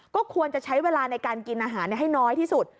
ก็ควรจะใช้เวลาในการกินอาหารให้น้อยที่สุด